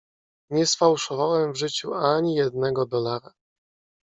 "Nie sfałszowałem w życiu ani jednego dolara."